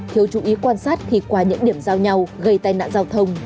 thiếu chú ý quan sát khi qua những điểm giao nhau gây tai nạn giao thông